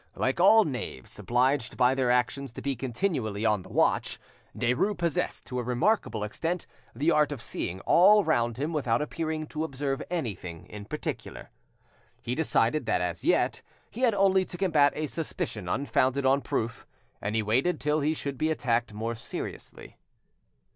Like all knaves, obliged by their actions to be continually on the watch, Derues possessed to a remarkable extent the art of seeing all round him without appearing to observe anything in particular. He decided that as yet he had only to combat a suspicion unfounded on proof, and he waited till he should be attacked more seriously.